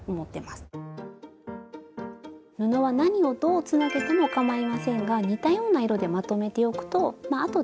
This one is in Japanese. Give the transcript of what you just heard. スタジオ布は何をどうつなげてもかまいませんが似たような色でまとめておくとあとで使いやすいですね。